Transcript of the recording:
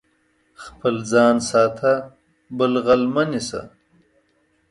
خپل ځان ساته، بل غل مه نيسه.